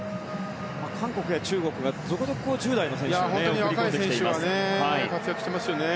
韓国や中国は続々と１０代の選手を送り込んできていますね。